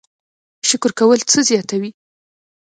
شکر کول څه زیاتوي؟